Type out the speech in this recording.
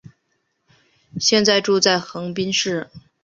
现在住在横滨市。